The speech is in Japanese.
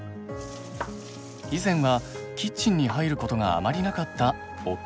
以前はキッチンに入ることがあまりなかった夫と長男。